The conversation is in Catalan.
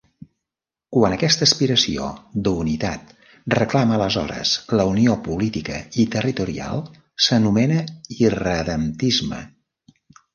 Quan aquesta aspiració d'unitat reclama aleshores la unió política i territorial, s'anomena irredemptisme.